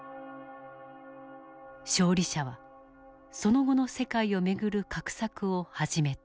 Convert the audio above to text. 勝利者はその後の世界を巡る画策を始めた。